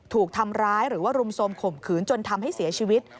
ถูกทำร้ายหรือว่ารุมโทรมข่มขืนจนทำให้เสียชีวิต